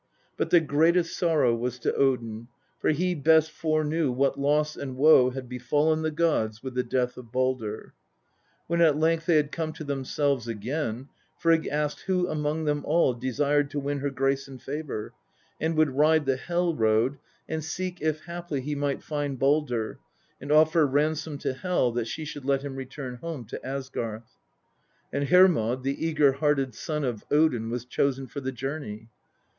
But the greatest sorrow was to Odin, for he best fore knew what loss and woe had befallen the gods with the death of Baldr. When at length they had come to themselves again, Frigg asked who among them all desired to win her grace and favour, and would ride the Hel road and seek if haply he might find Baldr, and offer ransom to Hel that she should let him return home to Asgarth. And Hermod, the Eager hearted son of Odin, was chosen for the journey.